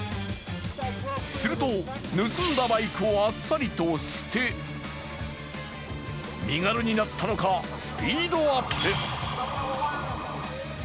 すると、盗んだバイクをあっさりと捨て、身軽になったのかスピードアップ。